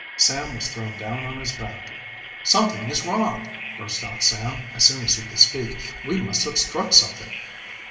Sam was thrown down on his back. "Something is wrong!" burst out Sam, as soon as he could speak. "We must have struck something."